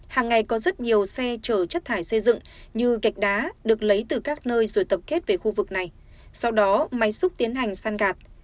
hàng ngày có rất nhiều xe chở chất thải xây dựng như gạch đá được lấy từ các nơi rồi tập kết về khu vực này sau đó máy xúc tiến hành săn gạt